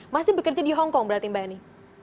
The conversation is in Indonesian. masih bekerja di hongkong berarti mbak eni